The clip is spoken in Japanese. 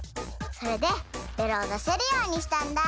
それでベロをだせるようにしたんだ。